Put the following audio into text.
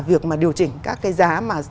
việc mà điều chỉnh các cái giá mà